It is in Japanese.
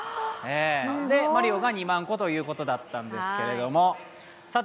マリオが２万個ということだったんですけどさて